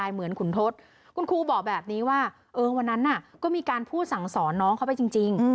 เหมือนขุนทศคุณครูบอกแบบนี้ว่าวันนั้นก็มีการพูดสั่งสอนน้องเขาไปจริง